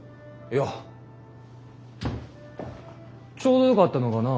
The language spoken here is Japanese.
いやちょうどよかったのかな？